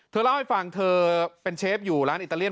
เธอเล่าให้ฟังเธอเป็นเชฟอยู่ร้านอิตาเลีย